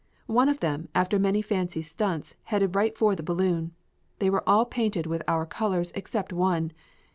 One of them, after many fancy stunts, headed right for the balloon. They were all painted with our colors except one.